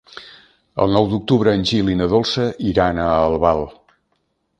El nou d'octubre en Gil i na Dolça iran a Albal.